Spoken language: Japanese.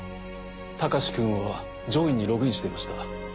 隆君は『ジョイン』にログインしていました。